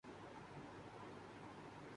متحدہ عرب امارات کی جانب سے منجولا گوروگے